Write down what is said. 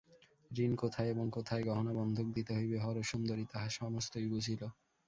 ঋণ কোথায় এবং কোথায় গহনা বন্ধক দিতে হইবে হরসুন্দরী তাহা সমস্তই বুঝিল।